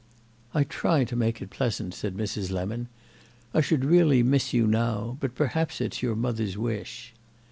"I try to make it pleasant," said Mrs. Lemon. "I should really miss you now; but perhaps it's your mother's wish."